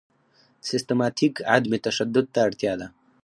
سیستماتیک عدم تشدد ته اړتیا ده.